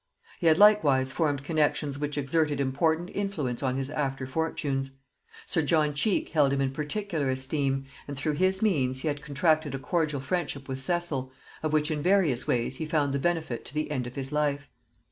He had likewise formed connexions which exerted important influence on his after fortunes. Sir John Cheke held him in particular esteem, and through his means he had contracted a cordial friendship with Cecil, of which in various ways he found the benefit to the end of his life.